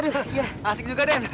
iya asik juga den